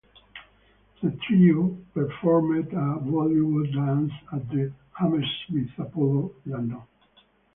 The trio performed a Bollywood dance at the Hammersmith Apollo, London.